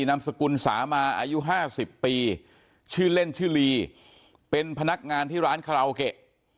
นามสกุลสามาอายุ๕๐ปีชื่อเล่นชื่อลีเป็นพนักงานที่ร้านคาราโอเกะ